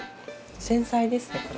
繊細ですねこれ。